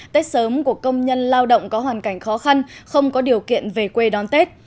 tết sớm của công nhân lao động có hoàn cảnh khó khăn không có điều kiện về quê đón tết